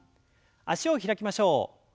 脚を開きましょう。